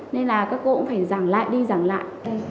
nên là các cô cũng phải giảng lại đi giảng lại